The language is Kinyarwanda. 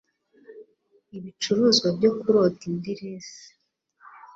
Ibicuruzwa byo kurota indelence